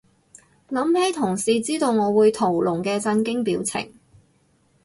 諗起同事知道我會屠龍嘅震驚表情